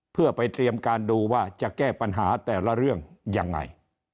เพื่อไปเตรียมการดูว่าจะแก้ปัญหาแต่ละเรื่องยังไง